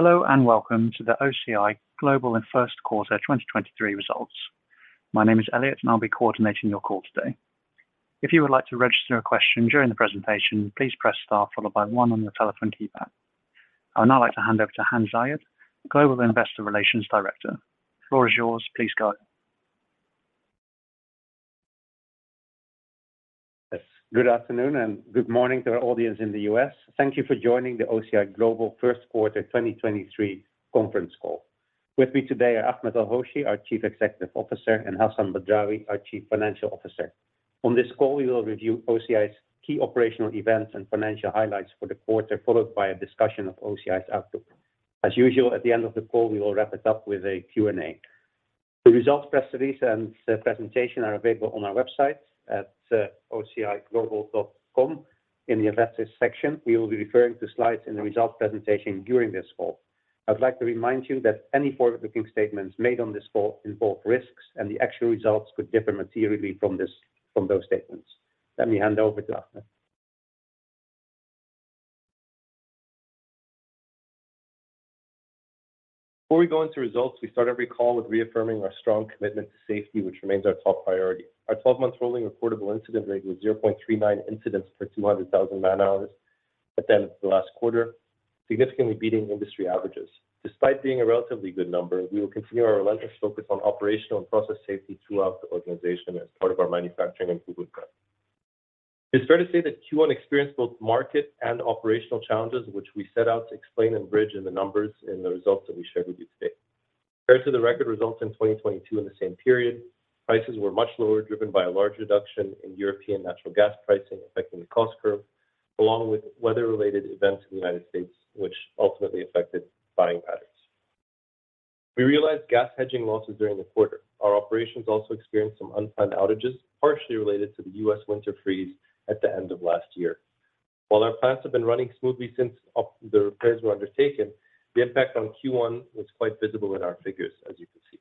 Hello and welcome to the OCI Global first quarter 2023 results. My name is Elliot, and I'll be coordinating your call today. If you would like to register a question during the presentation, please press star followed by one on your telephone keypad. I would now like to hand over to Hans Zayed, Global Investor Relations Director. The floor is yours. Please go ahead. Yes. Good afternoon and good morning to our audience in the US. Thank you for joining the OCI Global first quarter 2023 conference call. With me today are Ahmed El-Hoshy, our Chief Executive Officer, and Hassan Badrawi, our Chief Financial Officer. On this call, we will review OCI's key operational events and financial highlights for the quarter, followed by a discussion of OCI's outlook. As usual, at the end of the call, we will wrap it up with a Q&A. The results press release and the presentation are available on our website at oci-global.com in the Investors section. We will be referring to slides in the results presentation during this call. I'd like to remind you that any forward-looking statements made on this call involve risks, and the actual results could differ materially from those statements. Let me hand over to Ahmed. Before we go into results, we start every call with reaffirming our strong commitment to safety, which remains our top priority. Our 12-month rolling reportable incident rate was 0.39 incidents per 200,000 man-hours at the end of the last quarter, significantly beating industry averages. Despite being a relatively good number, we will continue our relentless focus on operational and process safety throughout the organization as part of our manufacturing improvement plan. It's fair to say that Q1 experienced both market and operational challenges, which we set out to explain and bridge in the numbers in the results that we share with you today. Compared to the record results in 2022 in the same period, prices were much lower, driven by a large reduction in European natural gas pricing affecting the cost curve, along with weather-related events in the United States, which ultimately affected buying patterns. We realized gas hedging losses during the quarter. Our operations also experienced some unplanned outages, partially related to the U.S. winter freeze at the end of last year. While our plants have been running smoothly since the repairs were undertaken, the impact on Q1 was quite visible in our figures, as you can see.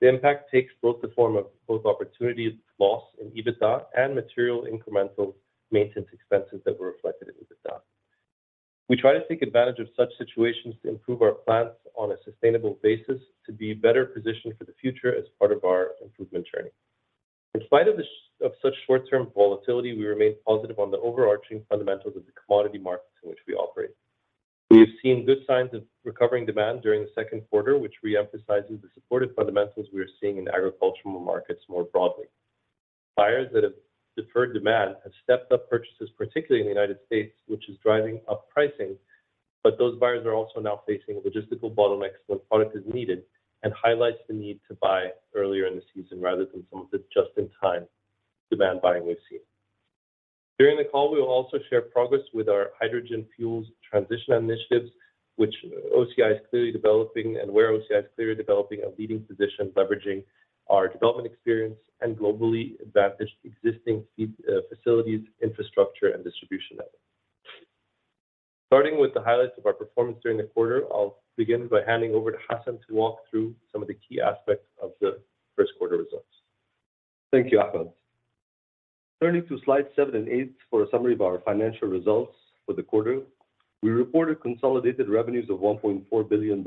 The impact takes both the form of opportunities lost in EBITDA and material incremental maintenance expenses that were reflected in EBITDA. We try to take advantage of such situations to improve our plants on a sustainable basis to be better positioned for the future as part of our improvement journey. In spite of such short-term volatility, we remain positive on the overarching fundamentals of the commodity markets in which we operate. We have seen good signs of recovering demand during the second quarter, which re-emphasizes the supportive fundamentals we are seeing in agricultural markets more broadly. Buyers that have deferred demand have stepped up purchases, particularly in the United States, which is driving up pricing. Those buyers are also now facing logistical bottlenecks when product is needed and highlights the need to buy earlier in the season rather than some of the just-in-time demand buying we've seen. During the call, we will also share progress with our hydrogen fuels transition initiatives, which OCI is clearly developing and where OCI is clearly developing a leading position, leveraging our development experience and globally advantaged existing facilities, infrastructure, and distribution network. Starting with the highlights of our performance during the quarter, I'll begin by handing over to Hassan to walk through some of the key aspects of the first quarter results. Thank you, Ahmed. Turning to slides seven and eight for a summary of our financial results for the quarter. We reported consolidated revenues of $1.4 billion,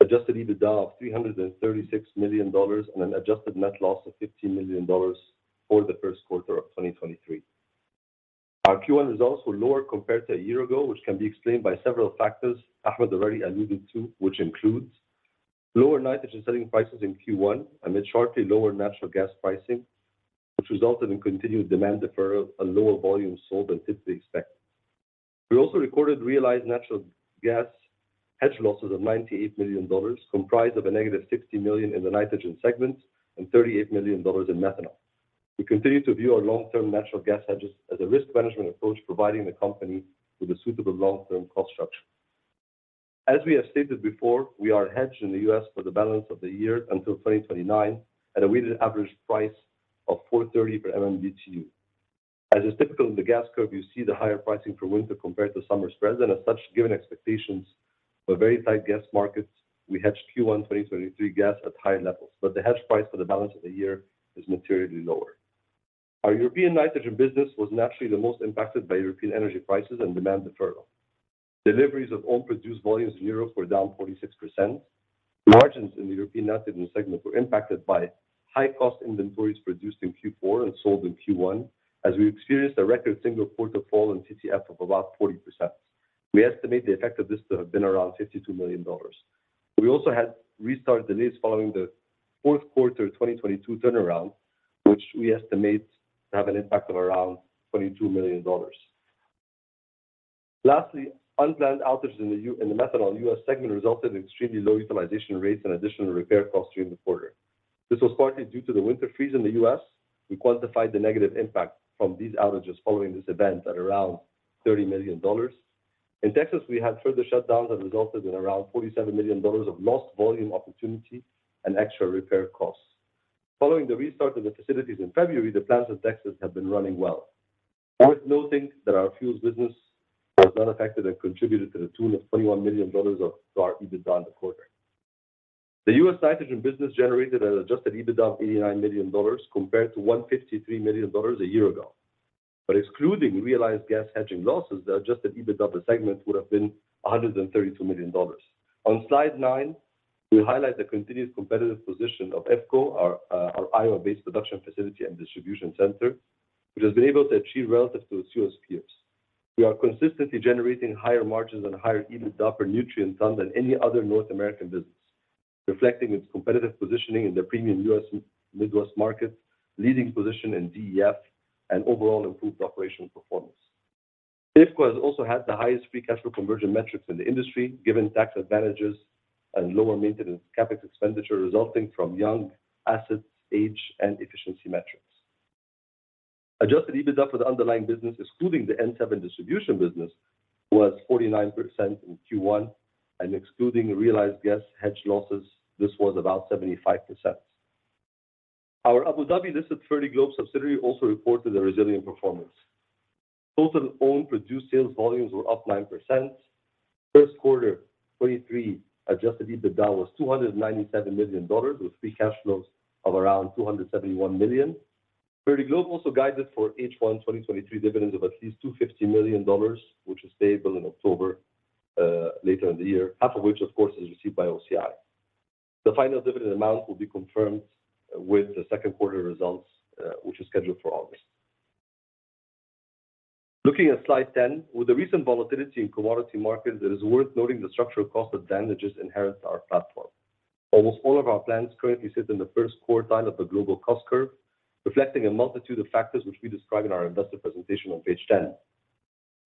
adjusted EBITDA of $336 million and an adjusted net loss of $15 million for the first quarter of 2023. Our Q1 results were lower compared to a year ago, which can be explained by several factors Ahmed already alluded to, which includes lower nitrogen selling prices in Q1 amid sharply lower natural gas pricing, which resulted in continued demand deferral and lower volume sold than typically expected. We also recorded realized natural gas hedge losses of $98 million, comprised of a negative $60 million in the nitrogen segment and $38 million in methanol. We continue to view our long-term natural gas hedges as a risk management approach, providing the company with a suitable long-term cost structure. As we have stated before, we are hedged in the U.S. for the balance of the year until 2029 at a weighted average price of $4.30 per MMBtu. As is typical in the gas curve, you see the higher pricing for winter compared to summer spreads. Given expectations for very tight gas markets, we hedged Q1 2023 gas at higher levels. The hedge price for the balance of the year is materially lower. Our European nitrogen business was naturally the most impacted by European energy prices and demand deferral. Deliveries of own-produced volumes in Europe were down 46%. Margins in the European nitrogen segment were impacted by high-cost inventories produced in Q4 and sold in Q1, as we experienced a record single-quarter fall in TTF of about 40%. We estimate the effect of this to have been around $52 million. We also had restarted delays following the fourth quarter 2022 turnaround, which we estimate to have an impact of around $22 million. Lastly, unplanned outages in the methanol U.S. segment resulted in extremely low utilization rates and additional repair costs during the quarter. This was partly due to the winter freeze in the U.S. We quantified the negative impact from these outages following this event at around $30 million. In Texas, we had further shutdowns that resulted in around $47 million of lost volume opportunity and extra repair costs. Following the restart of the facilities in February, the plants in Texas have been running well. It's worth noting that our fuels business was not affected and contributed to the tune of $21 million to our EBITDA in the quarter. The U.S. Nitrogen business generated an adjusted EBITDA of $89 million compared to $153 million a year ago. Excluding realized gas hedging losses, the adjusted EBITDA per segment would have been $132 million. On slide nine, we highlight the continued competitive position of IFCO, our Iowa-based production facility and distribution center, which has been able to achieve relative to its U.S. peers. We are consistently generating higher margins and higher EBITDA per nutrient ton than any other North American business, reflecting its competitive positioning in the premium U.S. Midwest market, leading position in DEF, and overall improved operational performance. IFCO has also had the highest free cash flow conversion metrics in the industry, given tax advantages and lower maintenance CapEx expenditure resulting from young assets, age, and efficiency metrics. Adjusted EBITDA for the underlying business, excluding the N7 distribution business, was 49% in Q1, and excluding realized gas hedge losses, this was about 75%. Our Abu Dhabi-listed Fertiglobe subsidiary also reported a resilient performance. Total owned produced sales volumes were up 9%. First quarter 2023 adjusted EBITDA was $297 million, with free cash flows of around $271 million. Fertiglobe also guided for H1 2023 dividend of at least $250 million, which is payable in October later in the year, half of which, of course, is received by OCI. The final dividend amount will be confirmed with the second quarter results, which is scheduled for August. Looking at slide 10, with the recent volatility in commodity markets, it is worth noting the structural cost advantages inherent to our platform. Almost all of our plants currently sit in the first quartile of the global cost curve, reflecting a multitude of factors which we describe in our investor presentation on page 10.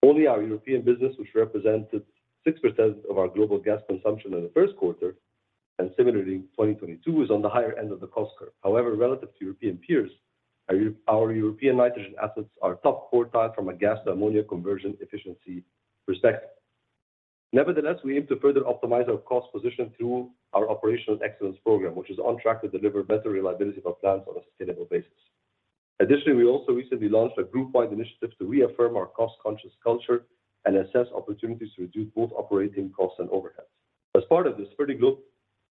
Only our European business, which represented 6% of our global gas consumption in the first quarter, and similarly in 2022, is on the higher end of the cost curve. However, relative to European peers, our European nitrogen assets are top quartile from a gas to ammonia conversion efficiency perspective. Nevertheless, we aim to further optimize our cost position through our operational excellence program, which is on track to deliver better reliability of our plants on a sustainable basis. Additionally, we also recently launched a group-wide initiative to reaffirm our cost-conscious culture and assess opportunities to reduce both operating costs and overheads. As part of this,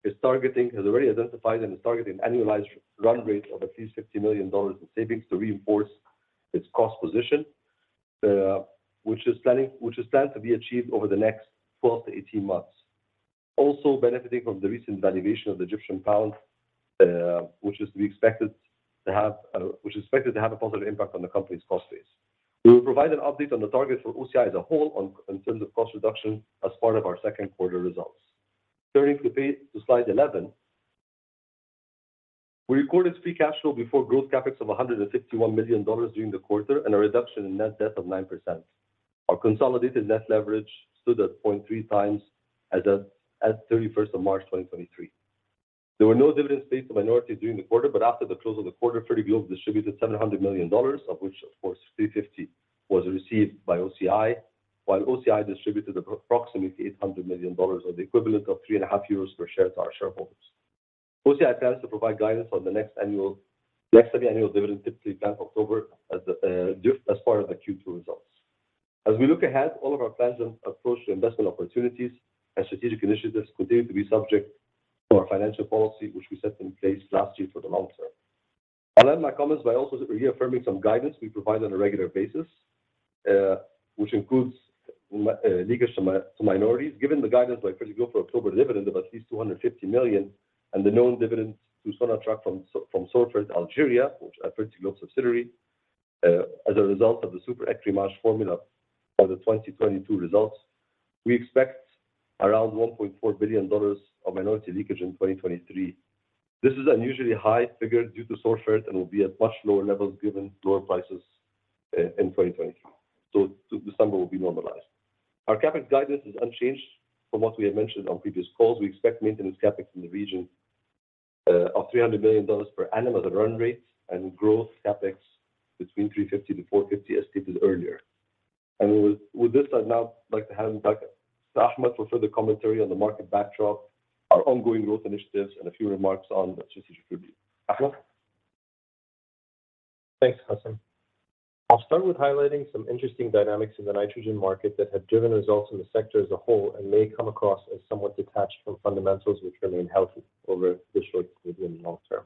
Fertiglobe has already identified and is targeting annualized run rates of at least $50 million in savings to reinforce its cost position, which is planned to be achieved over the next 12 to 18 months. Benefiting from the recent valuation of the Egyptian pound, which is expected to have a positive impact on the company's cost base. We will provide an update on the target for OCI as a whole on terms of cost reduction as part of our second quarter results. Turning to slide 11. We recorded free cash flow before growth CapEx of $161 million during the quarter and a reduction in net debt of 9%. Our consolidated net leverage stood at 0.3x as of March 31st, 2023. After the close of the quarter, Fertiglobe distributed $700 million, of which of course, $350 was received by OCI, while OCI distributed approximately $800 million or the equivalent of 3.5 euros per share to our shareholders. OCI plans to provide guidance on the next annual dividend typically 10th October as part of the Q2 results. As we look ahead, all of our plans and approach to investment opportunities and strategic initiatives continue to be subject to our financial policy, which we set in place last year for the long term. I'll end my comments by also reaffirming some guidance we provide on a regular basis, which includes leakage to minorities. Given the guidance by Fertiglobe for October dividend of at least $250 million and the known dividend to Sonatrach from Sorfert Algeria, which a Fertiglobe subsidiary, as a result of the super equity merge formula for the 2022 results, we expect around $1.4 billion of minority leakage in 2023. This is unusually high figure due to Sorfert and will be at much lower levels given lower prices in 2024. The number will be normalized. Our CapEx guidance is unchanged from what we had mentioned on previous calls. We expect maintenance CapEx in the region of $300 million per annum at a run rate and growth CapEx between $350-$450 as stated earlier. With this, I'd now like to hand back to Ahmed for further commentary on the market backdrop, our ongoing growth initiatives, and a few remarks on the strategic review. Ahmed? Thanks, Hassan. I'll start with highlighting some interesting dynamics in the nitrogen market that have driven results in the sector as a whole and may come across as somewhat detached from fundamentals which remain healthy over the short, medium, and long term.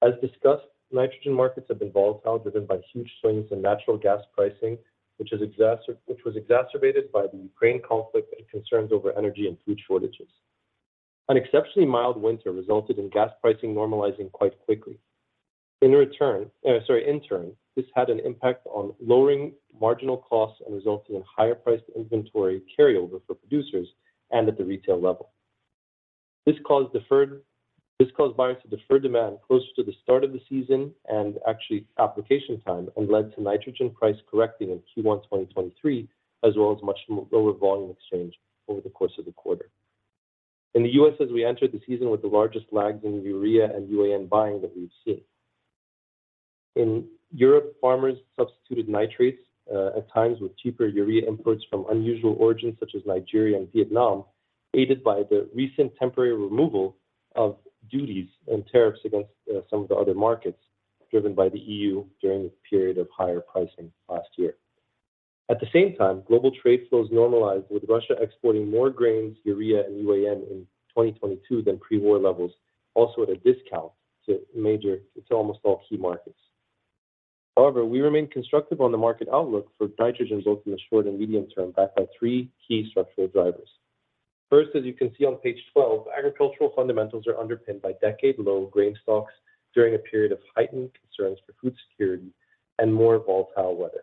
As discussed, nitrogen markets have been volatile, driven by huge swings in natural gas pricing, which was exacerbated by the Ukraine conflict and concerns over energy and food shortages. An exceptionally mild winter resulted in gas pricing normalizing quite quickly. In return, sorry, in turn, this had an impact on lowering marginal costs and resulted in higher-priced inventory carryover for producers and at the retail level. This caused buyers to defer demand closer to the start of the season and actually application time and led to nitrogen price correcting in Q1 2023, as well as much lower volume exchange over the course of the quarter. In the U.S., as we entered the season with the largest lags in urea and UAN buying that we've seen. In Europe, farmers substituted nitrates at times with cheaper urea imports from unusual origins such as Nigeria and Vietnam, aided by the recent temporary removal of duties and tariffs against some of the other markets driven by the EU during the period of higher pricing last year. At the same time, global trade flows normalized with Russia exporting more grains, urea, and UAN in 2022 than pre-war levels, also at a discount to almost all key markets. However, we remain constructive on the market outlook for nitrogen both in the short and medium term, backed by three key structural drivers. First, as you can see on page 12, agricultural fundamentals are underpinned by decade-low grain stocks during a period of heightened concerns for food security and more volatile weather.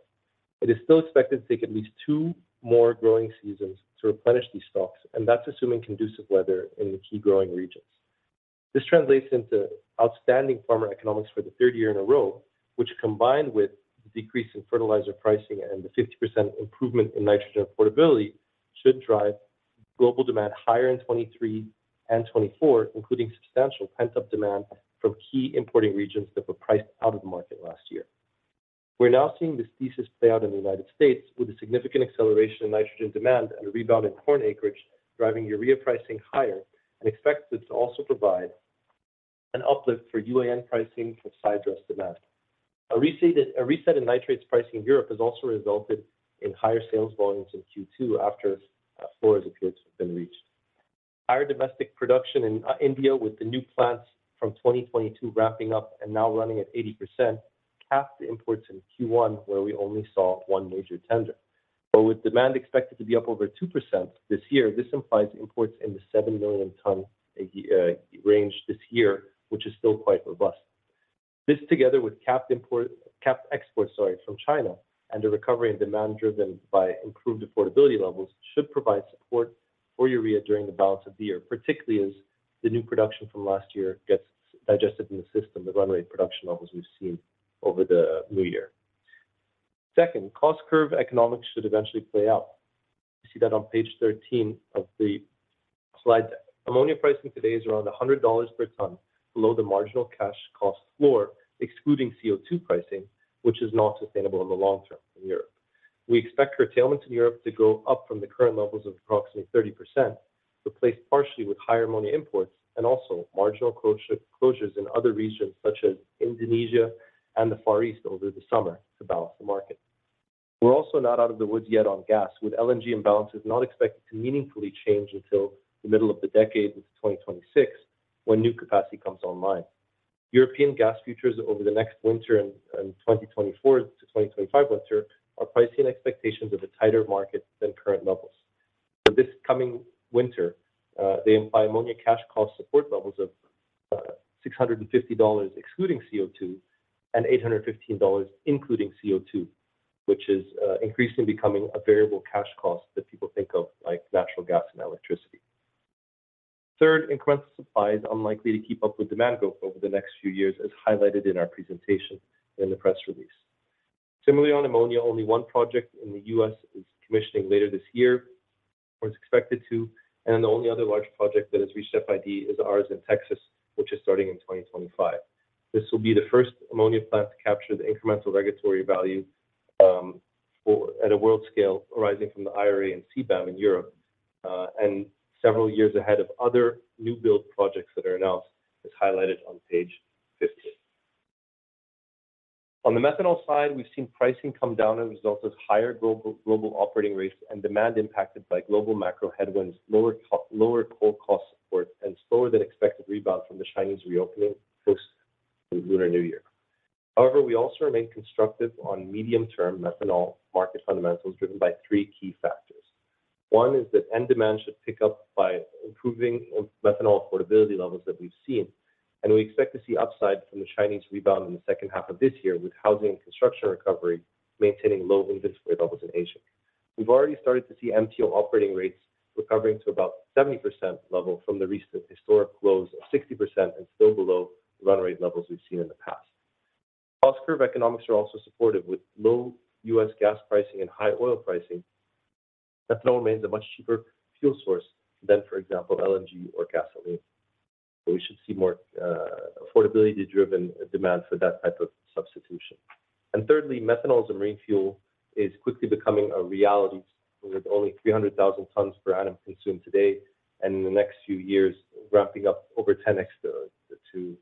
It is still expected to take at least two more growing seasons to replenish these stocks, and that's assuming conducive weather in the key growing regions. This translates into outstanding farmer economics for the third year in a row, which combined with the decrease in fertilizer pricing and the 50% improvement in nitrogen affordability should drive global demand higher in 2023 and 2024, including substantial pent-up demand from key importing regions that were priced out of the market last year. We're now seeing this thesis play out in the United States with a significant acceleration in nitrogen demand and a rebound in corn acreage driving urea pricing higher and expected to also provide an uplift for UAN pricing from side-dressed demand. A reset in nitrates pricing in Europe has also resulted in higher sales volumes in Q2 after floor, as it appears, have been reached. Higher domestic production in India with the new plants from 2022 ramping up and now running at 80% capped imports in Q1, where we only saw one major tender. With demand expected to be up over 2% this year, this implies imports in the 7 million ton range this year, which is still quite robust. This together with capped exports, sorry, from China and a recovery in demand driven by improved affordability levels should provide support for urea during the balance of the year, particularly as the new production from last year gets digested in the system, the run rate production levels we've seen over the new year. Second, cost curve economics should eventually play out. You see that on page 13 of the slide deck. Ammonia pricing today is around $100 per ton below the marginal cash cost floor, excluding CO2 pricing, which is not sustainable in the long term in Europe. We expect curtailment in Europe to go up from the current levels of approximately 30%, replaced partially with higher ammonia imports and also marginal closures in other regions such as Indonesia and the Far East over the summer to balance the market. We're also not out of the woods yet on gas, with LNG imbalances not expected to meaningfully change until the middle of the decade into 2026 when new capacity comes online. European gas futures over the next winter and 2024 to 2025 winter are pricing expectations of a tighter market than current levels. For this coming winter, they imply ammonia cash cost support levels of $650 excluding CO2 and $815 including CO2, which is increasingly becoming a variable cash cost that people think of like natural gas and electricity. Third, incremental supply is unlikely to keep up with demand growth over the next few years, as highlighted in our presentation in the press release. Similarly, on ammonia, only one project in the U.S. is commissioning later this year or is expected to, and the only other large project that has reached FID is ours in Texas, which is starting in 2025. This will be the first ammonia plant to capture the incremental regulatory value at a world scale arising from the IRA and CBAM in Europe, and several years ahead of other new build projects that are announced, as highlighted on page 15. On the methanol side, we've seen pricing come down as a result of higher global operating rates and demand impacted by global macro headwinds, lower coal cost support, and slower than expected rebound from the Chinese reopening post the Lunar New Year. However, we also remain constructive on medium-term methanol market fundamentals driven by three key factors. One is that end demand should pick up by improving methanol affordability levels that we've seen, and we expect to see upside from the Chinese rebound in the second half of this year with housing and construction recovery maintaining low inventory levels in Asia. We've already started to see MTO operating rates recovering to about 70% level from the recent historic lows of 60% and still below the run rate levels we've seen in the past. Cost curve economics are also supportive with low U.S. gas pricing and high oil pricing. Methanol remains a much cheaper fuel source than, for example, LNG or gasoline. We should see more affordability-driven demand for that type of substitution. Thirdly, methanol as a marine fuel is quickly becoming a reality with only 300,000 tons per annum consumed today and in the next few years ramping up over 10x to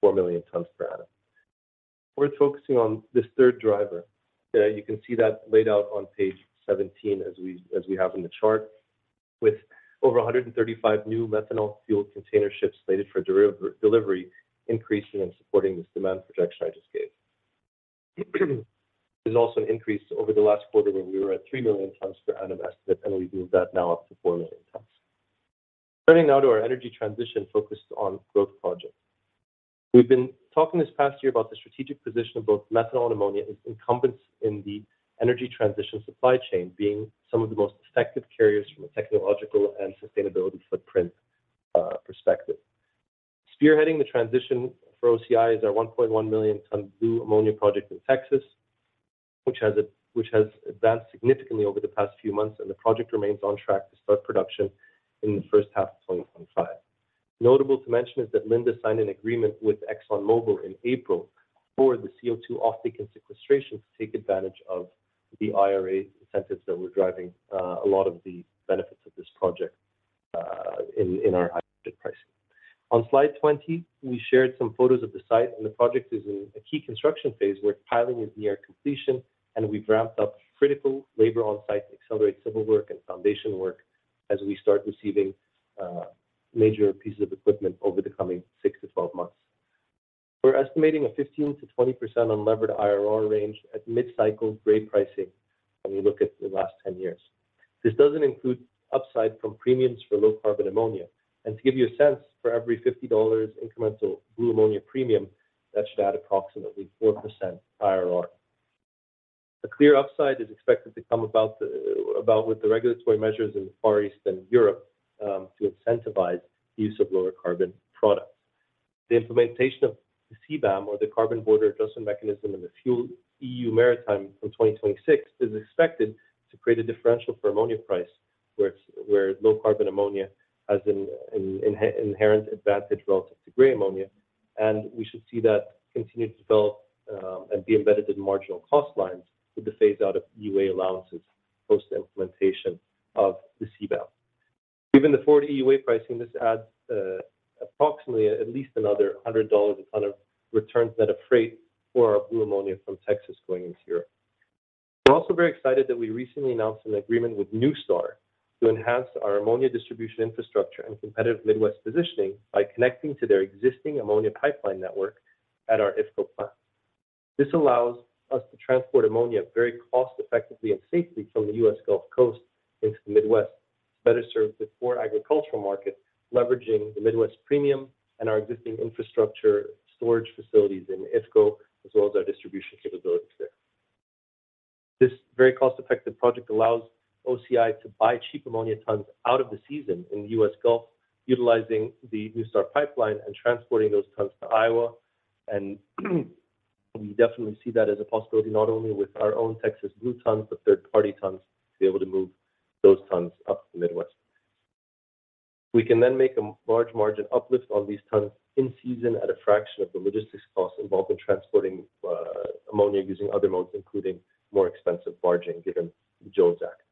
4 million tons per annum. We're focusing on this third driver. You can see that laid out on page 17 as we have in the chart. With over 135 new methanol fuel container ships slated for delivery, increasing and supporting this demand projection I just gave. There's also an increase over the last quarter where we were at 3 million tons per annum estimate, and we moved that now up to 4 million tons. Turning now to our energy transition focused on growth projects. We've been talking this past year about the strategic position of both methanol and ammonia as incumbents in the energy transition supply chain being some of the most effective carriers from a technological and sustainability footprint, perspective. Spearheading the transition for OCI is our 1.1 million ton blue ammonia project in Texas, which has advanced significantly over the past few months, and the project remains on track to start production in the first half of 2025. Notable to mention is that Linde signed an agreement with ExxonMobil in April for the CO2 off-take and sequestration to take advantage of the IRA incentives that were driving a lot of the benefits of this project. In our pricing. On slide 20, we shared some photos of the site, and the project is in a key construction phase where piling is near completion, and we've ramped up critical labor on-site to accelerate civil work and foundation work as we start receiving major pieces of equipment over the coming six to 12 months. We're estimating a 15%-20% unlevered IRR range at mid-cycle grade pricing when we look at the last 10 years. This doesn't include upside from premiums for low carbon ammonia. To give you a sense, for every $50 incremental blue ammonia premium, that should add approximately 4% IRR. A clear upside is expected to come about with the regulatory measures in the Far East and Europe to incentivize use of lower carbon products. The implementation of the CBAM or the Carbon Border Adjustment Mechanism in the EU Maritime from 2026 is expected to create a differential for ammonia price where low carbon ammonia has an inherent advantage relative to gray ammonia, and we should see that continue to develop and be embedded in marginal cost lines with the phase-out of EUA allowances post-implementation of the CBAM. Given the forward EUA pricing, this adds approximately at least another $100 a ton of returns net of freight for our blue ammonia from Texas going into Europe. We're also very excited that we recently announced an agreement with NuStar to enhance our ammonia distribution infrastructure and competitive Midwest positioning by connecting to their existing ammonia pipeline network at our IFCO plant. This allows us to transport ammonia very cost-effectively and safely from the U.S. Gulf Coast into the Midwest to better serve the core agricultural market, leveraging the Midwest premium and our existing infrastructure storage facilities in IFCO, as well as our distribution capabilities there. This very cost-effective project allows OCI to buy cheap ammonia tons out of the season in the U.S. Gulf, utilizing the NuStar pipeline and transporting those tons to Iowa. We definitely see that as a possibility, not only with our own Texas blue tons, but third-party tons, to be able to move those tons up to the Midwest. We can make a large margin uplift on these tons in season at a fraction of the logistics costs involved in transporting ammonia using other modes, including more expensive barging, given Jones Act.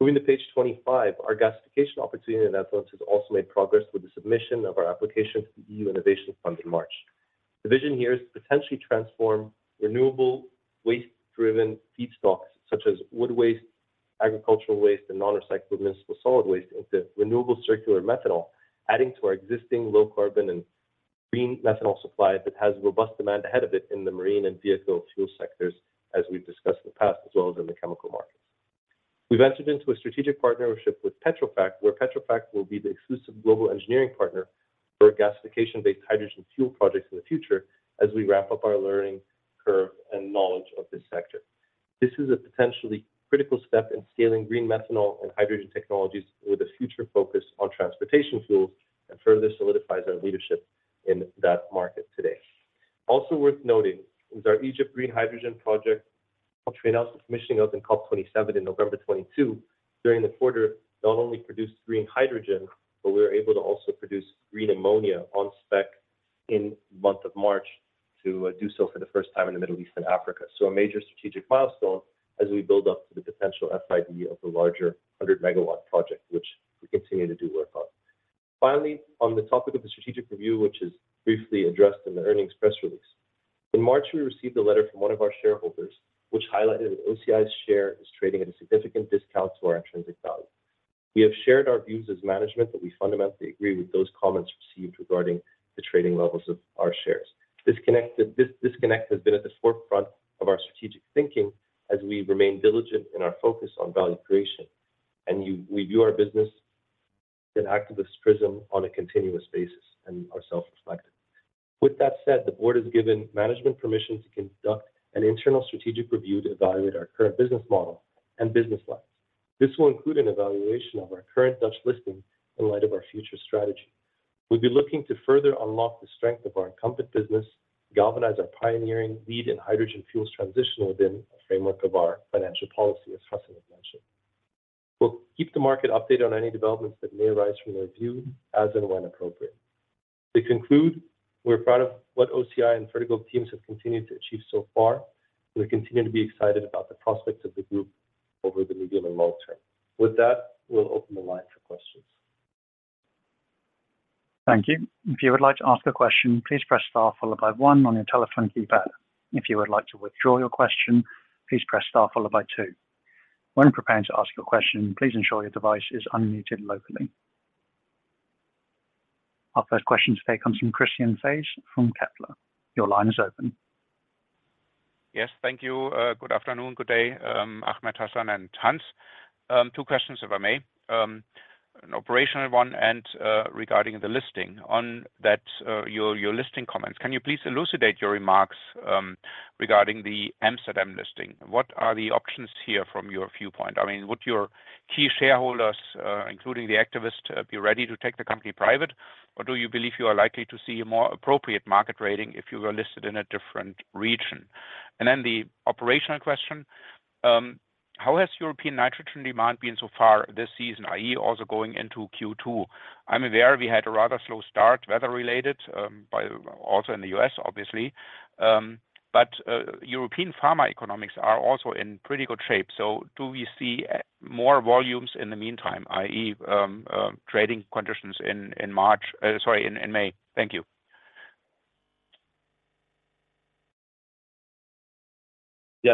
Moving to page 25, our gasification opportunity in Athens has also made progress with the submission of our application to the EU Innovation Fund in March. The vision here is to potentially transform renewable waste-driven feedstocks such as wood waste, agricultural waste, and non-recycled municipal solid waste into renewable circular methanol, adding to our existing low carbon and green methanol supply that has robust demand ahead of it in the marine and vehicle fuel sectors, as we've discussed in the past, as well as in the chemical markets. We've entered into a strategic partnership with Petrofac, where Petrofac will be the exclusive global engineering partner for gasification-based hydrogen fuel projects in the future as we ramp up our learning curve and knowledge of this sector. This is a potentially critical step in scaling green methanol and hydrogen technologies with a future focus on transportation fuels, and further solidifies our leadership in that market today. Also worth noting is our Egypt green hydrogen project, which we announced the commissioning of in COP27 in November 2022, during the quarter, not only produced green hydrogen, but we were able to also produce green ammonia on spec in March to do so for the first time in the Middle East and Africa. A major strategic milestone as we build up to the potential FID of the larger 100 MW project, which we continue to do work on. Finally, on the topic of the strategic review, which is briefly addressed in the earnings press release. In March, we received a letter from one of our shareholders, which highlighted that OCI's share is trading at a significant discount to our intrinsic value. We have shared our views as management that we fundamentally agree with those comments received regarding the trading levels of our shares. This disconnect has been at the forefront of our strategic thinking as we remain diligent in our focus on value creation. We view our business through an activist prism on a continuous basis and are self-reflective. With that said, the board has given management permission to conduct an internal strategic review to evaluate our current business model and business lines. This will include an evaluation of our current Dutch listing in light of our future strategy. We'll be looking to further unlock the strength of our incumbent business, galvanize our pioneering lead in hydrogen fuels transition within a framework of our financial policy, as Hassan had mentioned. We'll keep the market updated on any developments that may arise from the review as and when appropriate. To conclude, we're proud of what OCI and Fertiglobe teams have continued to achieve so far. We continue to be excited about the prospects of the group over the medium and long term. We'll open the line for questions. Thank you. If you would like to ask a question, please press star followed by one on your telephone keypad. If you would like to withdraw your question, please press star followed by two. When preparing to ask your question, please ensure your device is unmuted locally. Our first question today comes from Christian Faitz from Kepler Cheuvreux. Your line is open. Yes. Thank you. good afternoon, good day, Ahmed, Hassan, and Hans. two questions, if I may. an operational one and regarding the listing. On that, your listing comments, can you please elucidate your remarks regarding the Amsterdam listing? What are the options here from your viewpoint? I mean, would your key shareholders, including the activist, be ready to take the company private? Or do you believe you are likely to see a more appropriate market rating if you were listed in a different region? Then the operational question, how has European nitrogen demand been so far this season, i.e., also going into Q2? I'm aware we had a rather slow start, weather-related, also in the U.S. obviously. European farmer economics are also in pretty good shape. Do we see more volumes in the meantime, i.e., trading conditions in March, sorry, in May? Thank you.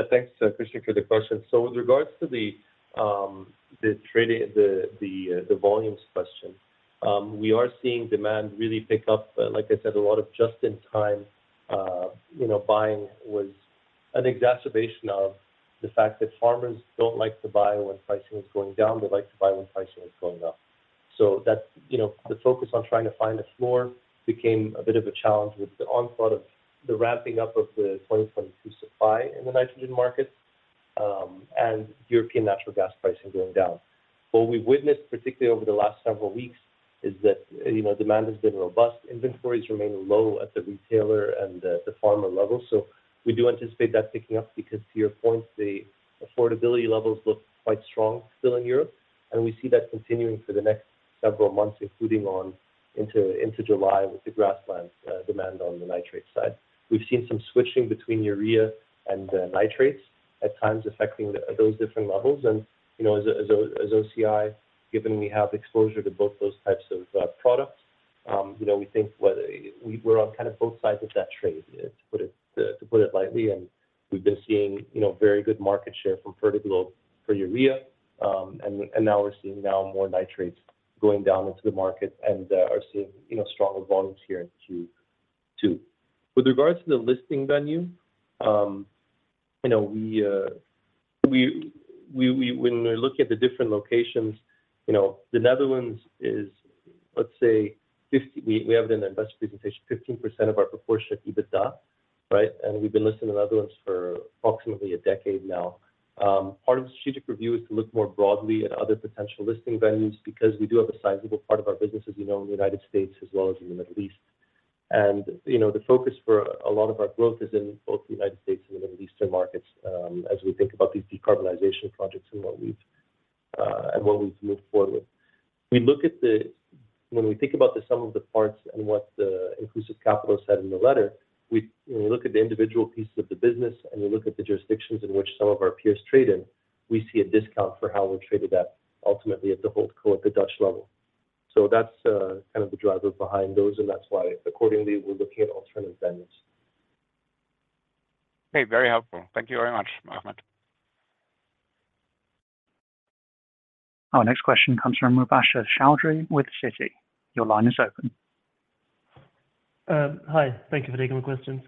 Thanks, Christian, for the question. With regards to the trading, the volumes question, we are seeing demand really pick up. Like I said, a lot of just-in-time, you know, buying was an exacerbation of the fact that farmers don't like to buy when pricing is going down. They like to buy when pricing is going up. That's, you know, the focus on trying to find a floor became a bit of a challenge with the onslaught of the ramping up of the 2022 supply in the nitrogen market, and European natural gas pricing going down. What we've witnessed, particularly over the last several weeks, is that, you know, demand has been robust. Inventories remain low at the retailer and the farmer level. We do anticipate that picking up because to your point, the affordability levels look quite strong still in Europe, and we see that continuing for the next several months, including on into July with the grassland demand on the nitrate side. We've seen some switching between urea and nitrates at times affecting those different levels. You know, as OCI, given we have exposure to both those types of products, you know, we think We're on kind of both sides of that trade, to put it lightly. We've been seeing, you know, very good market share from Fertiglobe for urea, and now we're seeing now more nitrates going down into the market and are seeing, you know, stronger volumes here in Q2. With regards to the listing venue, you know, we. When we look at the different locations, you know, the Netherlands is, let's say, We have it in the investor presentation, 15% of our proportionate EBITDA, right? We've been listing the Netherlands for approximately a decade now. Part of the strategic review is to look more broadly at other potential listing venues because we do have a sizable part of our business, as you know, in the United States as well as in the Middle East. You know, the focus for a lot of our growth is in both the United States and the Middle Eastern markets, as we think about these decarbonization projects and what we've and what we've moved forward with. We look at the... When we think about the sum of the parts and what the Inclusive Capital said in the letter, when we look at the individual pieces of the business and we look at the jurisdictions in which some of our peers trade in, we see a discount for how we're traded at ultimately at the hold co at the Dutch level. That's kind of the driver behind those, and that's why accordingly, we're looking at alternative venues. Okay. Very helpful. Thank you very much, Ahmed. Our next question comes from Mubasher Chaudhry with Citi. Your line is open. Hi. Thank you for taking my questions.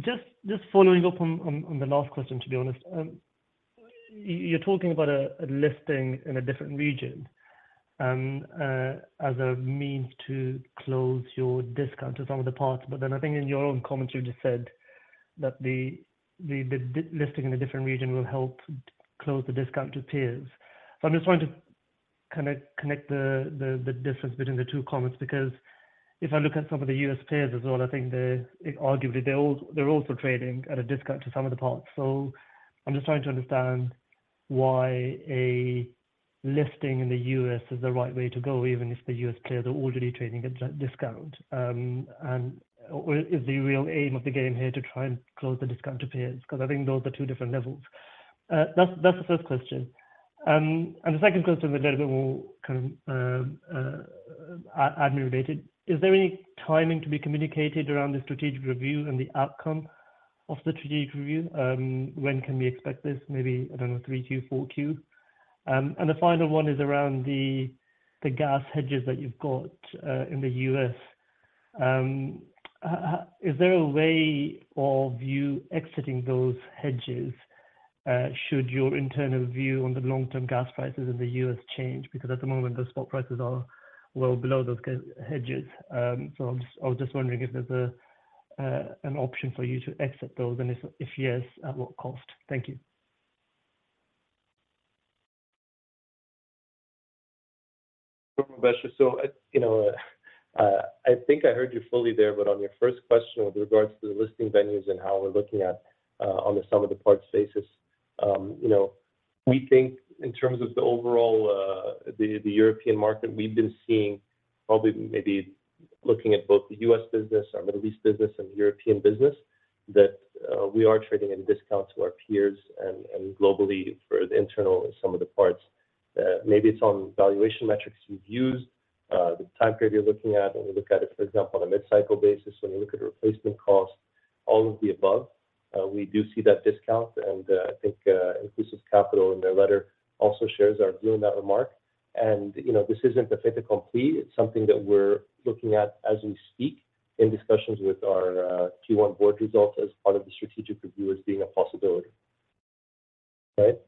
Just following up on the last question, to be honest. You're talking about a listing in a different region, as a means to close your discount to some of the parts. I think in your own comments, you just said that the d-listing in a different region will help close the discount to peers. I'm just wanting to kinda connect the difference between the two comments because if I look at some of the U.S. peers as well, I think they're, arguably, they're also trading at a discount to some of the parts. I'm just trying to understand why a listing in the U.S. is the right way to go, even if the U.S. peers are already trading at a discount. Or is the real aim of the game here to try and close the discount to peers? 'Cause I think those are two different levels. That's the first question. The second question is a little bit more kind of admin related. Is there any timing to be communicated around the strategic review and the outcome of the strategic review? When can we expect this? Maybe, I don't know, 3Q, 4Q? The final one is around the gas hedges that you've got, in the U.S. Is there a way of you exiting those hedges, should your internal view on the long-term gas prices in the U.S. change? Because at the moment, those spot prices are well below those hedges. I was just wondering if there's an option for you to exit those, and if yes, at what cost? Thank you. Sure, Mubasher. You know, I think I heard you fully there, but on your first question with regards to the listing venues and how we're looking at, on the sum of the parts basis, you know, we think in terms of the overall, the European market, we've been seeing probably maybe looking at both the US business, our Middle East business, and European business, that, we are trading at a discount to our peers and globally for the internal and some of the parts. Maybe it's on valuation metrics we've used, the time period you're looking at, when we look at it, for example, on a mid-cycle basis, when you look at replacement costs, all of the above, we do see that discount. I think Inclusive Capital in their letter also shares our view on that remark. You know, this isn't fit to complete. It's something that we're looking at as we speak in discussions with our Q1 board results as part of the strategic review as being a possibility. Right.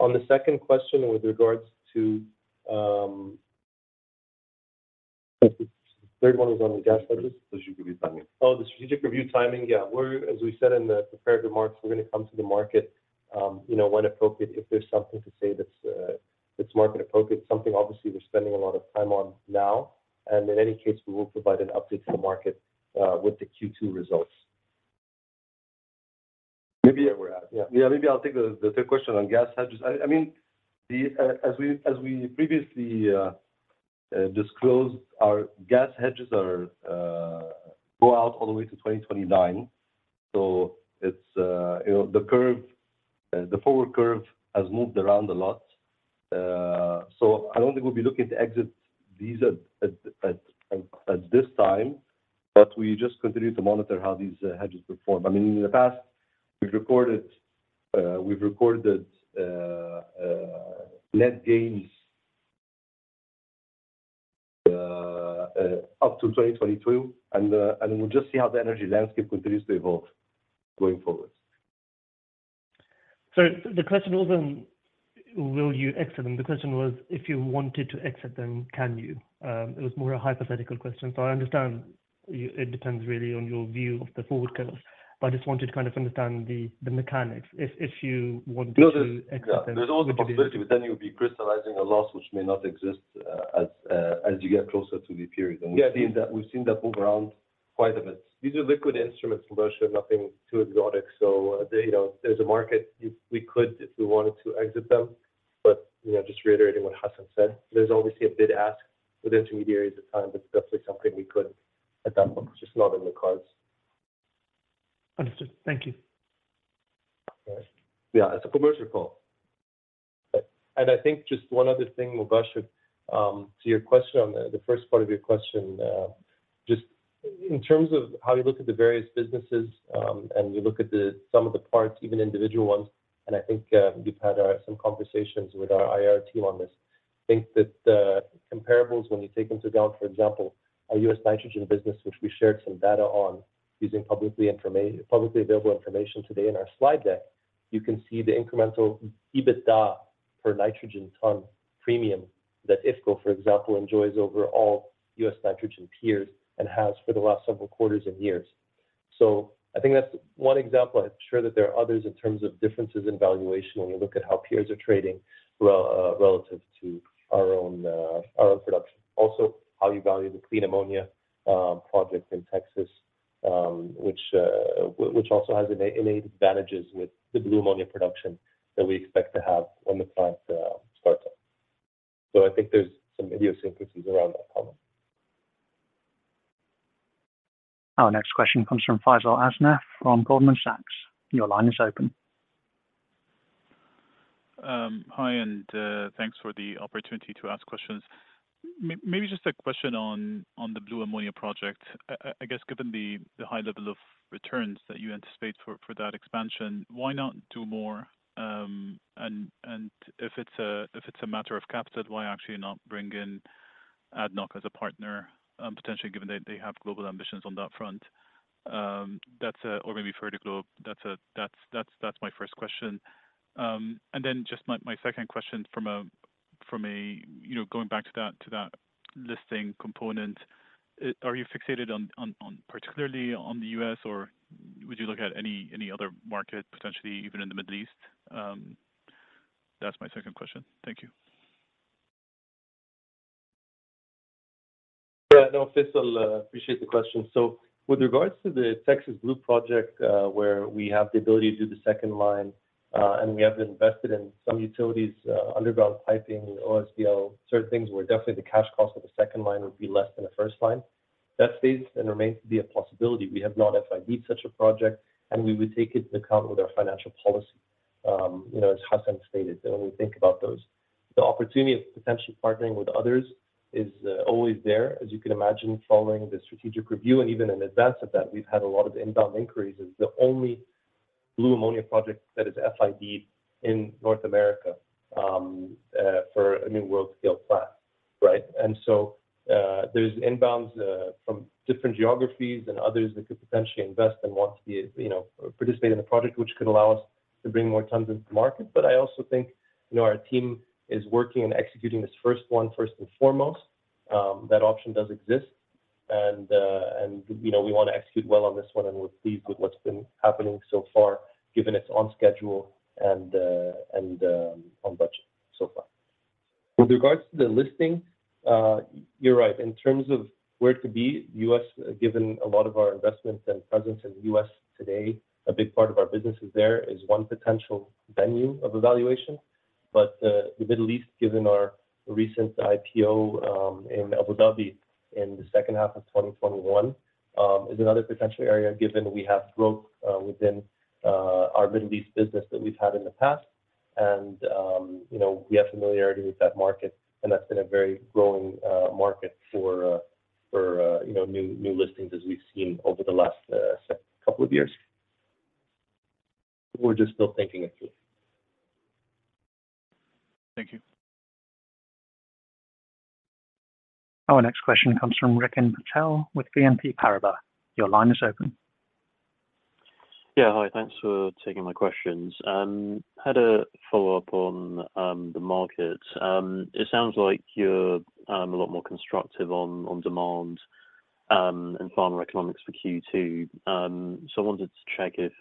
On the second question with regards to. The third one was on the gas hedges. The strategic review timing. The strategic review timing. We're, as we said in the prepared remarks, we're gonna come to the market, you know, when appropriate, if there's something to say that's market appropriate. Something obviously we're spending a lot of time on now. In any case, we will provide an update to the market with the Q2 results. Maybe I will add. Maybe I'll take the third question on gas hedges. I mean, as we previously disclosed, our gas hedges are go out all the way to 2029. It's, you know, the curve, the forward curve has moved around a lot. I don't think we'll be looking to exit these at this time, but we just continue to monitor how these hedges perform. I mean, in the past, we've recorded net gains, up to 2022, and we'll just see how the energy landscape continues to evolve going forward. The question wasn't will you exit them. The question was if you wanted to exit them, can you? It was more a hypothetical question. I understand it depends really on your view of the forward curve, but I just wanted to kind of understand the mechanics. If you wanted to exit them... No, there's. There's always the possibility, but then you'll be crystallizing a loss which may not exist, as you get closer to the period. We've seen that, we've seen that move around quite a bit. These are liquid instruments, Mubasher, nothing too exotic. There, you know, there's a market if we could, if we wanted to exit them. You know, just reiterating what Hassan said, there's obviously a bid ask with intermediaries at times. It's definitely something we could adopt, but it's just not in the cards. Understood. Thank you. Yeah. It's a commercial call. I think just one other thing, Mubasher, to your question on the first part of your question. Just in terms of how you look at the various businesses, and you look at the some of the parts, even individual ones, I think, we've had, some conversations with our IR team on this. I think that the comparables, when you take into account, for example, our U.S. Nitrogen business, which we shared some data on using publicly available information today in our slide deck, you can see the incremental EBITDA per nitrogen ton premium that IFCO, for example, enjoys over all U.S. nitrogen peers and has for the last several quarters and years. I think that's one example. I'm sure that there are others in terms of differences in valuation when you look at how peers are trading relative to our own production. Also, how you value the clean ammonia project in Texas, which also has innate advantages with the blue ammonia production that we expect to have when the plant starts up. I think there's some idiosyncrasies around that problem. Our next question comes from Faisal Azmat from Goldman Sachs. Your line is open. Hi, thanks for the opportunity to ask questions. Maybe just a question on the blue ammonia project. I guess given the high level of returns that you anticipate for that expansion, why not do more? If it's a matter of capital, why actually not bring in ADNOC as a partner, potentially given they have global ambitions on that front? That's or maybe Fertiglobe. That's my first question. Just my second question from a, you know, going back to that listing component. Are you fixated on particularly on the U.S., or would you look at any other market, potentially even in the Middle East? That's my second question. Thank you. No, Faisal, appreciate the question. With regards to the Texas blue project, where we have the ability to do the second line, and we have invested in some utilities, underground piping, OSBL, certain things where definitely the cash cost of the second line would be less than the first line. That stays and remains to be a possibility. We have not FID such a project, and we would take it into account with our financial policy, you know, as Hassan stated, when we think about those. The opportunity of potentially partnering with others is always there. As you can imagine, following the strategic review and even in advance of that, we've had a lot of inbound inquiries as the only blue ammonia project that is FID in North America, for a new world-scale class, right? There's inbounds from different geographies and others that could potentially invest and want to be, you know, participate in the project, which could allow us to bring more tons into the market. I also think, you know, our team is working and executing this first one first and foremost. That option does exist. And, you know, we wanna execute well on this one, and we're pleased with what's been happening so far, given it's on schedule and on budget so far. With regards to the listing, you're right. In terms of where it could be, U.S., given a lot of our investments and presence in the U.S. today, a big part of our business is there, is one potential venue of evaluation. The Middle East, given our recent IPO in Abu Dhabi in the second half of 2021, is another potential area given we have growth within our Middle East business that we've had in the past. You know, we have familiarity with that market, and that's been a very growing market for you know, new listings as we've seen over the last couple of years. We're just still thinking it through. Thank you. Our next question comes from Rikin Patel with BNP Paribas. Your line is open. Hi. Thanks for taking my questions. Had a follow-up on the market. It sounds like you're a lot more constructive on demand and farmer economics for Q2. So I wanted to check if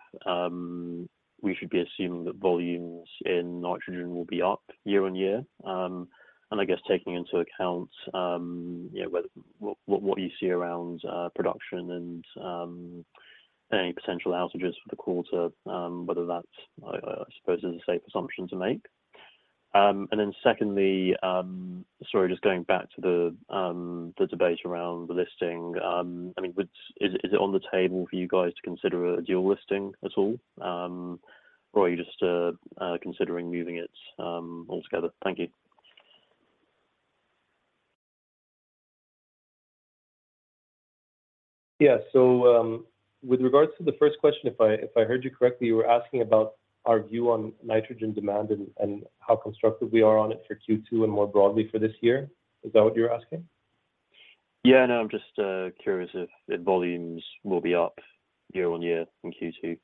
we should be assuming that volumes in nitrogen will be up year-on-year. And I guess taking into account, you know, whether what, what you see around production and any potential outages for the quarter, whether that's, I suppose, is a safe assumption to make. Secondly, sorry, just going back to the debate around the listing. I mean, is it on the table for you guys to consider a dual listing at all? Are you just considering moving it altogether? Thank you. With regards to the first question, if I heard you correctly, you were asking about our view on nitrogen demand and how constructive we are on it for Q2 and more broadly for this year. Is that what you're asking? Yeah. No, I'm just curious if volumes will be up year-on-year in Q2.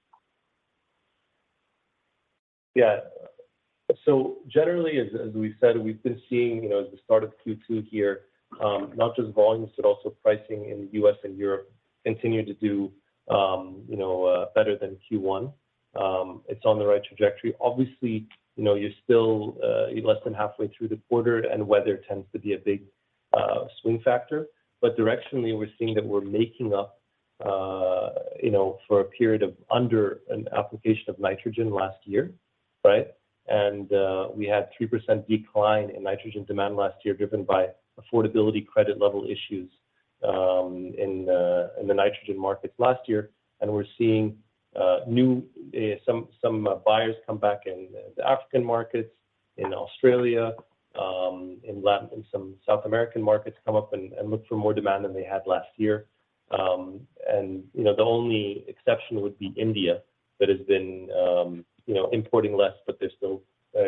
Generally, as we said, we've been seeing as we start of Q2 here, not just volumes, but also pricing in U.S. and Europe continue to do better than Q1. It's on the right trajectory. Obviously, you're still less than halfway through the quarter, and weather tends to be a big swing factor. Directionally, we're seeing that we're making up for a period of under an application of nitrogen last year, right? We had 3% decline in nitrogen demand last year driven by affordability credit level issues in the nitrogen markets last year. We're seeing new some buyers come back in the African markets, in Australia, in some South American markets come up and look for more demand than they had last year. You know, the only exception would be India that has been, you know, importing less, but they're still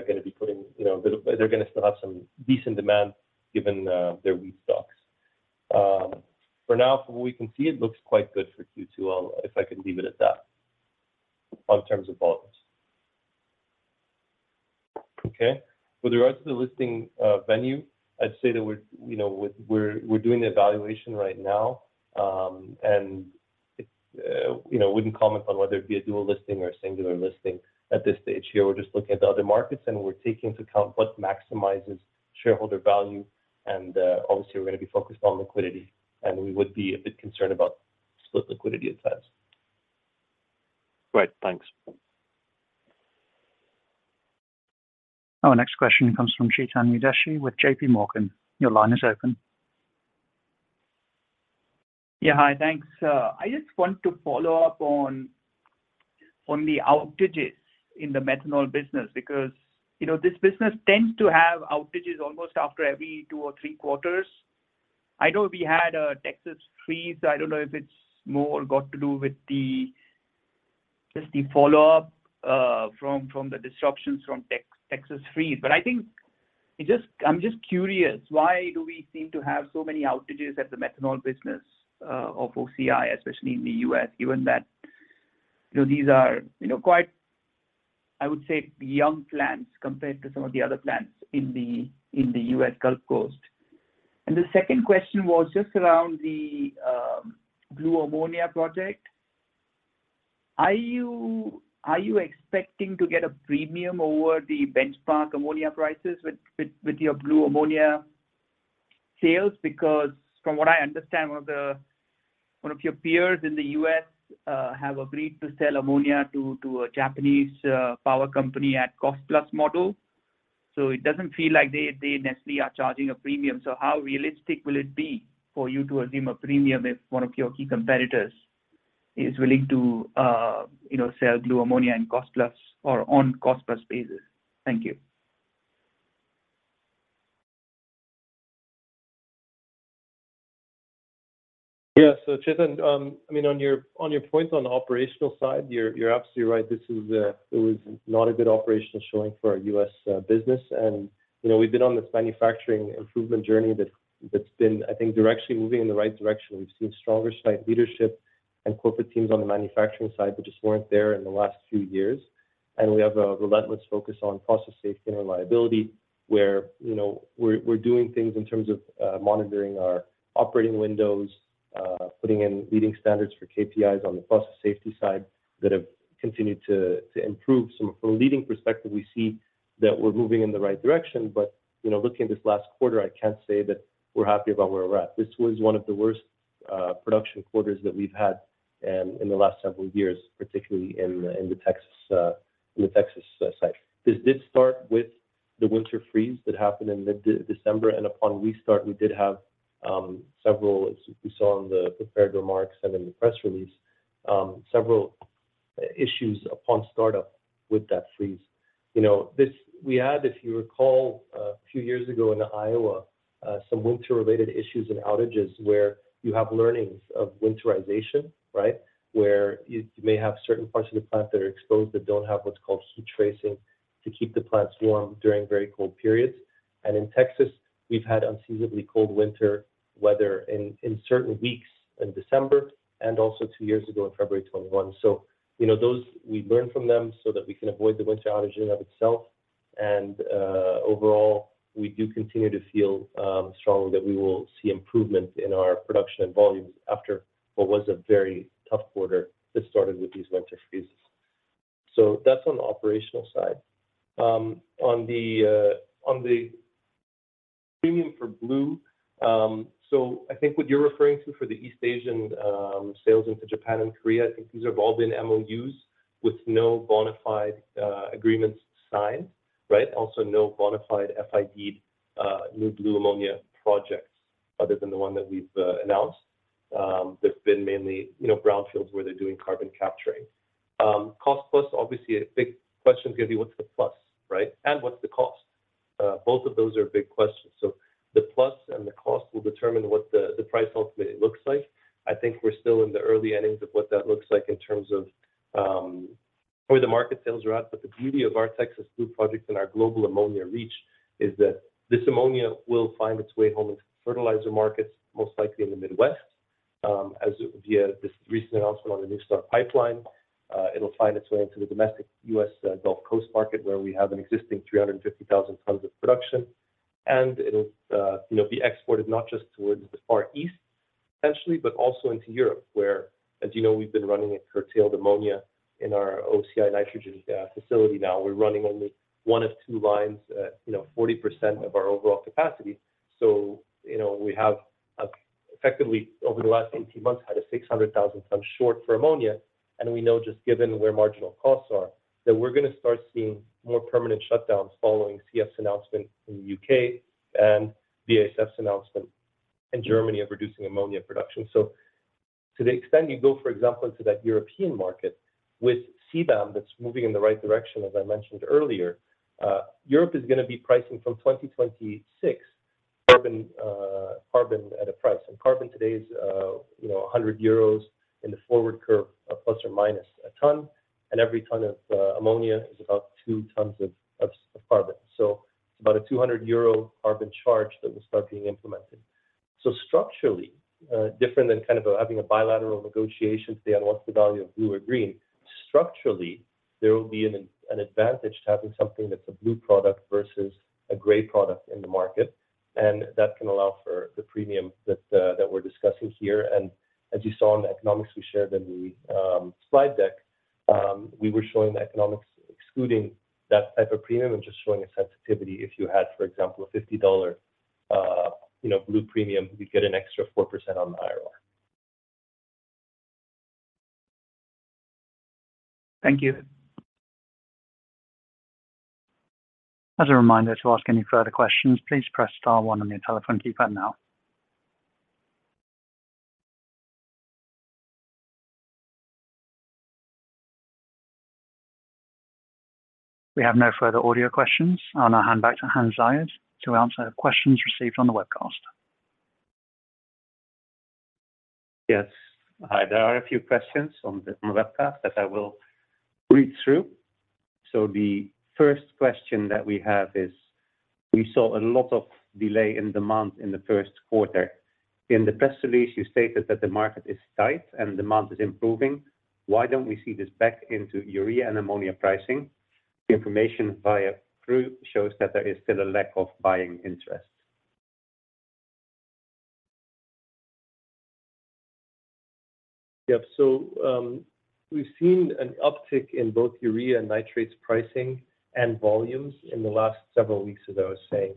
gonna be putting. They're gonna still have some decent demand given their wheat stocks. For now, from what we can see, it looks quite good for Q2. If I can leave it at that on terms of volumes. Okay. With regards to the listing venue, I'd say that we're, you know, we're doing the evaluation right now. It's, you know, wouldn't comment on whether it be a dual listing or a singular listing at this stage here. We're just looking at the other markets, and we're taking into account what maximizes shareholder value. Obviously, we're gonna be focused on liquidity. We would be a bit concerned about split liquidity at times. Great. Thanks. Our next question comes from Chetan Udeshi with JPMorgan. Your line is open. Yeah. Hi. Thanks. I just want to follow up on the outages in the methanol business because, you know, this business tends to have outages almost after every two or three quarters. I know we had a Texas freeze. I don't know if it's more got to do with the just the follow-up from the disruptions from Texas freeze. I think I'm just curious, why do we seem to have so many outages at the methanol business of OCI, especially in the U.S., given that, you know, these are, you know, quite, I would say, young plants compared to some of the other plants in the U.S. Gulf Coast. The second question was just around the blue ammonia project. Are you expecting to get a premium over the benchmark ammonia prices with your blue ammonia sales? Because from what I understand, one of your peers in the U.S. have agreed to sell ammonia to a Japanese power company at cost-plus model. It doesn't feel like they necessarily are charging a premium. How realistic will it be for you to assume a premium if one of your key competitors is willing to, you know, sell blue ammonia in cost-plus or on cost-plus basis? Thank you. Yeah. Chetan, I mean, on your points on the operational side, you're absolutely right. This is, it was not a good operational showing for our U.S. business. You know, we've been on this manufacturing improvement journey that's been, I think, directionally moving in the right direction. We've seen stronger site leadership and corporate teams on the manufacturing side that just weren't there in the last few years. We have a relentless focus on process safety and reliability, where, you know, we're doing things in terms of monitoring our operating windows, putting in leading standards for KPIs on the process safety side that have continued to improve. From a leading perspective, we see that we're moving in the right direction. You know, looking at this last quarter, I can't say that we're happy about where we're at. This was one of the worst production quarters that we've had in the last several years, particularly in the Texas site. Does this start with the winter freeze that happened in mid-December? Upon restart, we did have, as we saw in the prepared remarks and in the press release, several issues upon startup with that freeze. You know, we had, if you recall a few years ago in Iowa, some winter-related issues and outages where you have learnings of winterization, right? Where you may have certain parts of the plant that are exposed that don't have what's called heat tracing to keep the plants warm during very cold periods. In Texas, we've had unseasonably cold winter weather in certain weeks in December and also two years ago in February 2021. You know, those we learn from them so that we can avoid the winter outage in and of itself. Overall, we do continue to feel strongly that we will see improvement in our production and volumes after what was a very tough quarter that started with these winter freezes. That's on the operational side. On thePremium for blue. I think what you're referring to for the East Asian sales into Japan and Korea, I think these have all been MOUs with no bona fide agreements signed, right? Also no bona fide FID new blue ammonia projects other than the one that we've announced. They've been mainly, you know, brownfields where they're doing carbon capturing. Cost plus, obviously a big question is gonna be what's the plus, right? What's the cost? Both of those are big questions. The plus and the cost will determine what the price ultimately looks like. I think we're still in the early innings of what that looks like in terms of where the market sales are at. The beauty of our Texas blue projects and our global ammonia reach is that this ammonia will find its way home into fertilizer markets, most likely in the Midwest, as via this recent announcement on the NuStar pipeline. It'll find its way into the domestic U.S. Gulf Coast market where we have an existing 350,000 tons of production. It'll, you know, be exported not just towards the Far East potentially, but also into Europe, where as you know, we've been running a curtailed ammonia in our OCI Nitrogen facility now. We're running only one of two lines at, you know, 40% of our overall capacity. You know, we have effectively over the last 18 months had a 600,000 ton short for ammonia. We know just given where marginal costs are, that we're gonna start seeing more permanent shutdowns following CF's announcement in the U.K. and BASF's announcement in Germany of reducing ammonia production. To the extent you go, for example, into that European market with CBAM that's moving in the right direction, as I mentioned earlier, Europe is gonna be pricing from 2026 carbon at a price. Carbon today is 100 euros in the forward curve ± a ton. Every ton of ammonia is about 2 tons of carbon. It's about a 200 euro carbon charge that will start being implemented. Structurally, different than having a bilateral negotiation today on what's the value of blue or green, structurally there will be an advantage to having something that's a blue product versus a gray product in the market. That can allow for the premium that we're discussing here. As you saw in the economics we shared in the slide deck, we were showing the economics excluding that type of premium and just showing a sensitivity if you had, for example, a $50, you know, blue premium, we'd get an extra 4% on the IRR. Thank you. As a reminder, to ask any further questions, please press star one on your telephone keypad now. We have no further audio questions. I'll now hand back to Hans Zayed to answer questions received on the webcast. Yes. Hi, there are a few questions on the webcast that I will read through. The first question that we have is, we saw a lot of delay in demand in the first quarter. In the press release, you stated that the market is tight and demand is improving. Why don't we see this back into urea and ammonia pricing? The information via CRU shows that there is still a lack of buying interest. We've seen an uptick in both urea and nitrates pricing and volumes in the last several weeks, as I was saying.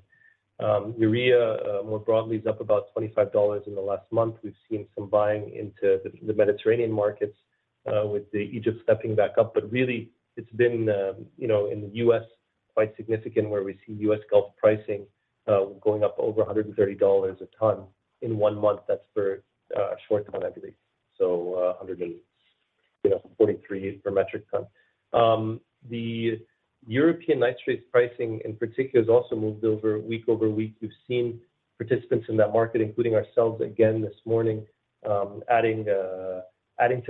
Urea, more broadly is up about $25 in the last month. We've seen some buying into the Mediterranean markets, with Egypt stepping back up. Really it's been, you know, in the U.S. quite significant where we see U.S. Gulf pricing, going up over $130 a ton in one month. That's for, short ton I believe, so, $143 per metric ton. The European nitrates pricing in particular has also moved week-over-week. We've seen participants in that market, including ourselves again this morning, adding to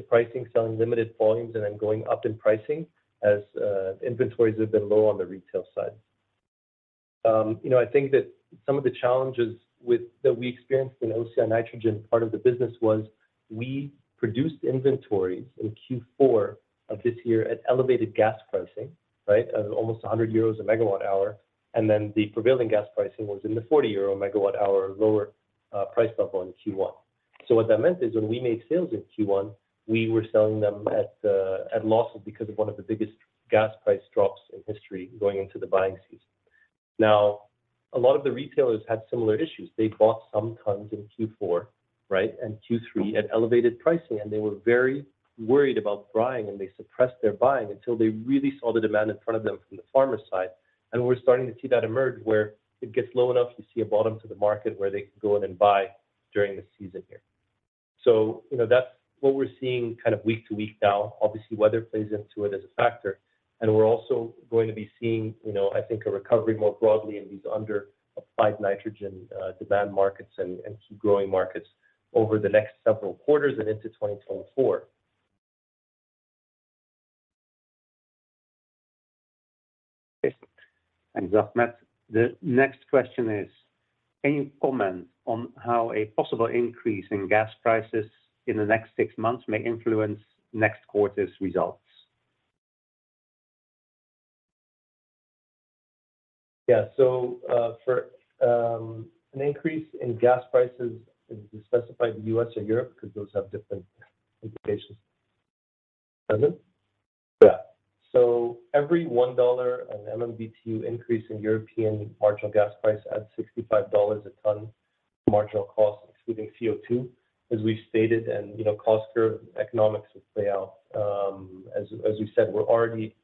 pricing, selling limited volumes, and then going up in pricing as inventories have been low on the retail side. you know, I think that some of the challenges that we experienced in OCI Nitrogen part of the business was we produced inventories in Q4 of this year at elevated gas pricing, right, at almost 100 euros a megawatt hour. The prevailing gas pricing was in the 40 euro megawatt hour lower price level in Q1. What that meant is when we made sales in Q1, we were selling them at a loss because of one of the biggest gas price drops in history going into the buying season. A lot of the retailers had similar issues. They bought some tons in Q4, right, and Q3 at elevated pricing, and they were very worried about buying, and they suppressed their buying until they really saw the demand in front of them from the farmer side. We're starting to see that emerge where it gets low enough, you see a bottom to the market where they can go in and buy during the season here. You know, that's what we're seeing kind of week to week now. Obviously, weather plays into it as a factor, and we're also going to be seeing, you know, I think a recovery more broadly in these under applied nitrogen demand markets and key growing markets over the next several quarters and into 2024. Thanks, Ahmed. The next question is, can you comment on how a possible increase in gas prices in the next six months may influence next quarter's results? For an increase in gas prices, is it specified the U.S. or Europe? Those have different implications. Every $1 an MMBtu increase in European marginal gas price adds $65 a ton marginal cost, excluding CO2, as we've stated. You know, cost curve economics will play out. As we said, we're already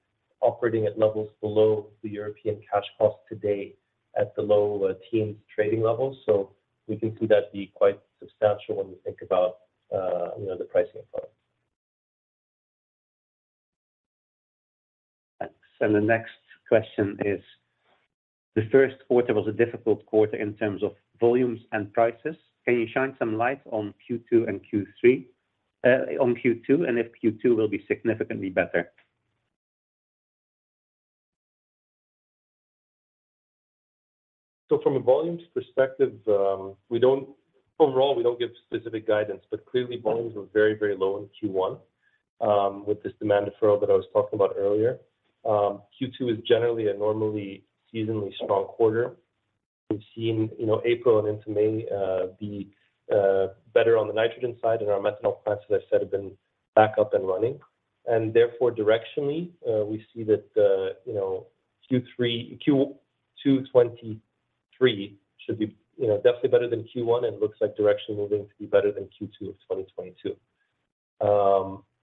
operating at levels below the European cash cost today at the low teens trading levels. We can see that be quite substantial when we think about, you know, the pricing environment. Thanks. The next question is, the first quarter was a difficult quarter in terms of volumes and prices. Can you shine some light on Q2 and Q3, on Q2, and if Q2 will be significantly better? From a volumes perspective, overall, we don't give specific guidance, but clearly volumes were very, very low in Q1 with this demand deferral that I was talking about earlier. Q2 is generally a normally seasonally strong quarter. We've seen, you know, April and into May be better on the nitrogen side, and our methanol plants, as I said, have been back up and running. Therefore, directionally, we see that, you know, Q2 2023 should be, you know, definitely better than Q1, and it looks like directionally moving to be better than Q2 2022.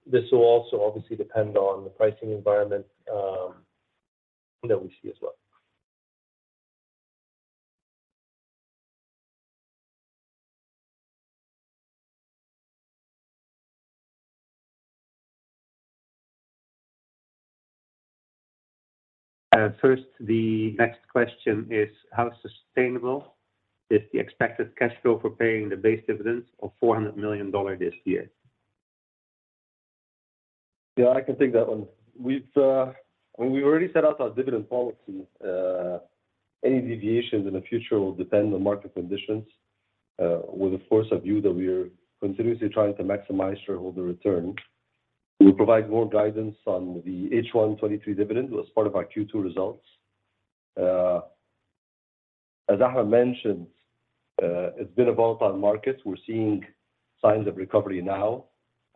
This will also obviously depend on the pricing environment that we see as well. The next question is, how sustainable is the expected cash flow for paying the base dividends of $400 million this year? I can take that one. We've when we already set out our dividend policy, any deviations in the future will depend on market conditions. With, of course, a view that we are continuously trying to maximize shareholder return. We'll provide more guidance on the H1 2023 dividend as part of our Q2 results. As Ahmed mentioned, it's been a volatile market. We're seeing signs of recovery now,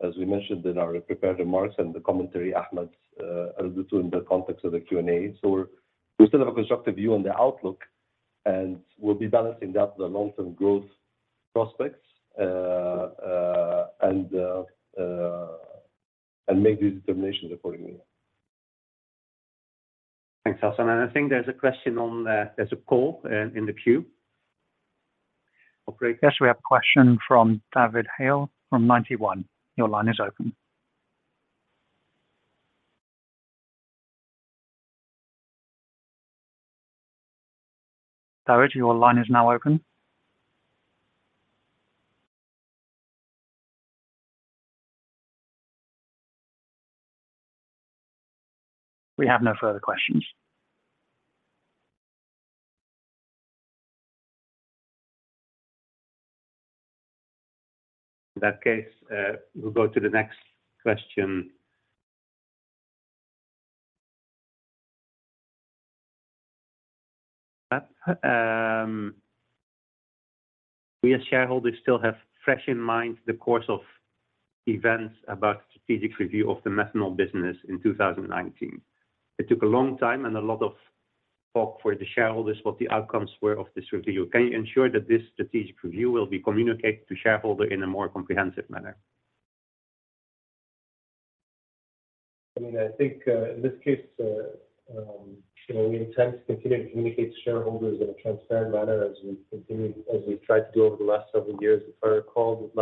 as we mentioned in our prepared remarks and the commentary Ahmed's alluded to in the context of the Q&A. We still have a constructive view on the outlook, and we'll be balancing that with the long-term growth prospects, and make these determinations accordingly. Thanks, Hassan. I think there's a question on, there's a call, in the queue. Operator? Yes, we have a question from David Hales from Ninety One. Your line is open. David, your line is now open. We have no further questions. In that case, we'll go to the next question. We as shareholders still have fresh in mind the course of events about strategic review of the methanol business in 2019. It took a long time and a lot of talk for the shareholders what the outcomes were of this review. Can you ensure that this strategic review will be communicated to shareholder in a more comprehensive manner? I mean, I think, in this case, you know, we intend to continue to communicate to shareholders in a transparent manner as we continue, as we've tried to do over the last several years. If I recall, the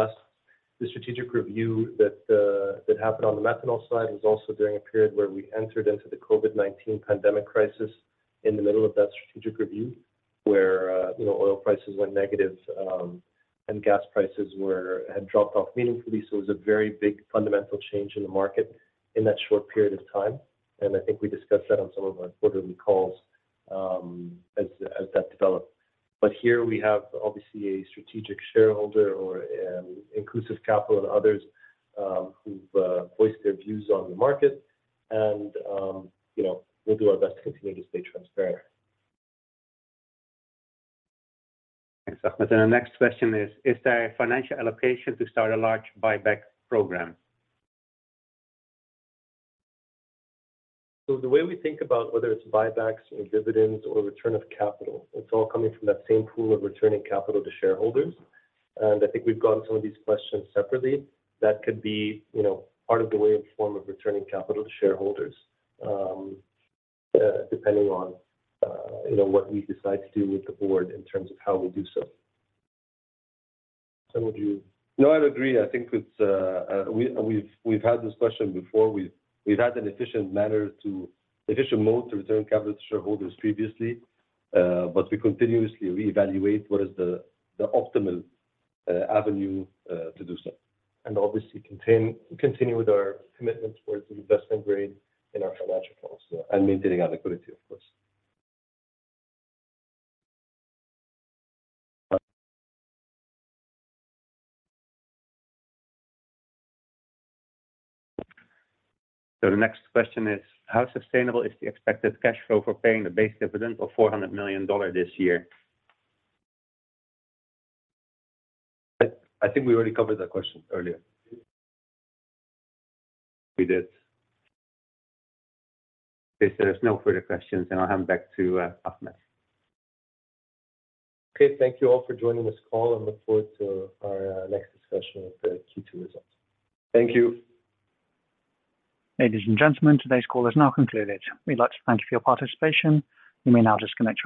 last, the strategic review that happened on the methanol side was also during a period where we entered into the COVID-19 pandemic crisis in the middle of that strategic review, where, you know, oil prices went negative, and gas prices were, had dropped off meaningfully. It was a very big fundamental change in the market in that short period of time. I think we discussed that on some of our quarterly calls, as that developed. Here we have obviously a strategic shareholder or, Inclusive Capital and others, who've voiced their views on the market and, you know, we'll do our best to continue to stay transparent. Thanks, Ahmed. The next question is there a financial allocation to start a large buyback program? The way we think about whether it's buybacks or dividends or return of capital, it's all coming from that same pool of returning capital to shareholders. I think we've gotten some of these questions separately. That could be, you know, part of the way and form of returning capital to shareholders, depending on, you know, what we decide to do with the board in terms of how we do so. I'd agree. I think it's we've had this question before. We've had an efficient manner to, efficient mode to return capital to shareholders previously. We continuously reevaluate what is the optimal avenue to do so. obviously continue with our commitment towards investment grade in our financial also. Maintaining our liquidity, of course. The next question is, how sustainable is the expected cash flow for paying the base dividend of $400 million this year? I think we already covered that question earlier. We did. Okay. There's no further questions, and I'll hand back to Ahmed. Okay. Thank you all for joining this call and look forward to our next discussion of the Q2 results. Thank you. Ladies and gentlemen, today's call is now concluded. We'd like to thank you for your participation. You may now disconnect your lines.